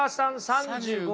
３５。